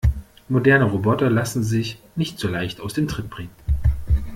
Moderne Roboter lassen sich nicht so leicht aus dem Tritt bringen.